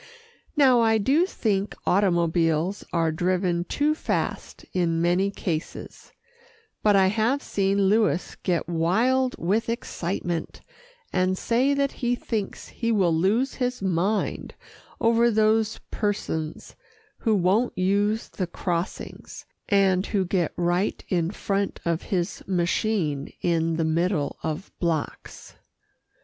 Now I do think automobiles are driven too fast in many cases, but I have seen Louis get wild with excitement, and say that he thinks he will lose his mind over those persons who won't use the crossings, and who get right in front of his machine in the middle of blocks.